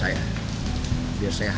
aku mau ke rumah